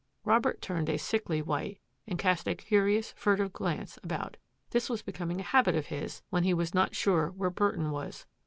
Robert turned a sickly white and cast a curious, furtive glance about. This was becoming a habit of his when he was not sure where Burton was.